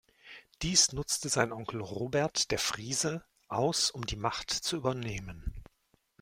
Dies nutzte sein Onkel Robert der Friese aus um die Macht zu übernehmen.